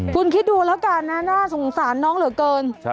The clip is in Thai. คุณคิดดูแล้วกันนะน่าสงสารน้องเหลือเกิน